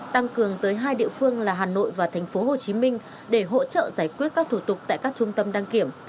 tăng cường tới hai địa phương là hà nội và tp hcm để hỗ trợ giải quyết các thủ tục tại các trung tâm đăng kiểm